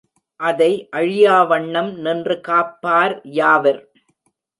அதை அழியாவண்ணம் நின்று காப்பார் யாவர்?